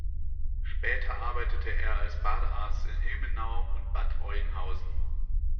Später arbeitete er als Badearzt in Ilmenau und Bad Oeynhausen.